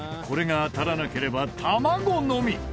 これが当たらなければ玉子のみ。